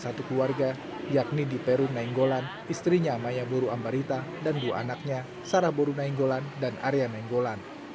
satu keluarga yakni di peru nainggolan istrinya maya buru ambarita dan dua anaknya sarah buru nainggolan dan arya nainggolan